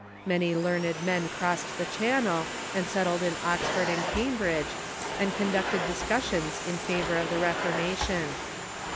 Many learned men crossed the Channel, and settled in Oxford and Cambridge, and conducted discussions in favor of the Reformation.